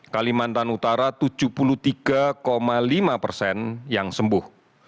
kalimantan utara tujuh puluh tiga lima persen yang sembuh